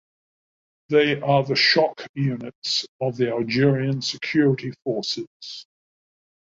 They are the shock units of the Algerian security forces.